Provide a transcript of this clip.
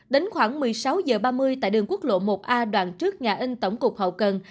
đến khoảng một mươi sáu h ba mươi tại đường quốc lộ một a đoàn trước nga ân tổng cục hậu cần